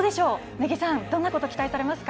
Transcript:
根木さん、どんなことを期待されますか？